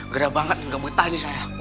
gerah banget nggak betah nih saya